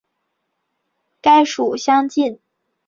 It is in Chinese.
石莼目中的浒苔属与该属相近。